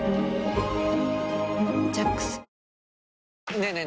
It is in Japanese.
ねえねえ